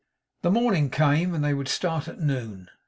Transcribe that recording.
The morning came, and they would start at noon.